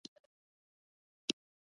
ایا زه باید هوږه وخورم؟